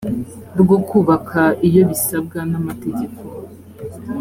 rwo kubaka iyo bisabwa n amategeko